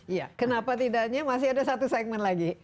iya kenapa tidaknya masih ada satu segmen lagi